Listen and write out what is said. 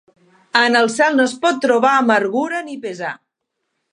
En el cel no es pot trobar amargura ni pesar.